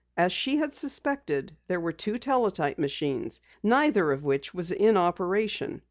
As she had suspected, there were two teletype machines, neither of which was in operation.